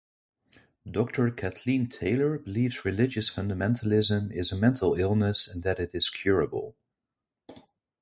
Doctor Kathleen Taylor believes religious fundamentalism is a mental illness and that is curable.